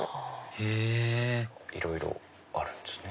へぇいろいろあるんですね。